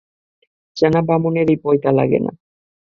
চেনা বামুনের পৈতা লাগে না।